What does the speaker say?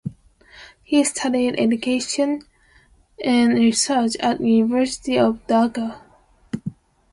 He studied education and research at University of Dhaka.